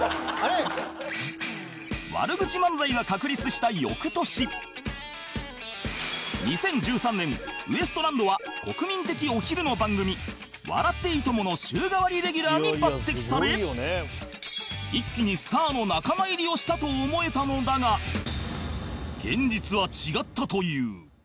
悪口漫才が確立した翌年２０１３年ウエストランドは国民的お昼の番組『笑っていいとも！』の週替わりレギュラーに抜擢され一気にスターの仲間入りをしたと思えたのだが現実は違ったという